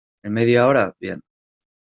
¿ en media hora? bien.